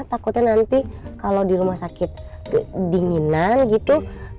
takutnya nanti kalau di rumah sakit dinginan gitu